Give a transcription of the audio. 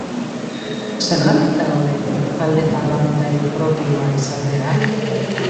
Zergatik da hobe talde parlamentario propioa izatea?